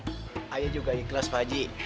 saya juga ikhlas pakji